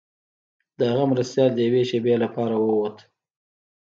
د هغه مرستیال د یوې شیبې لپاره ووت.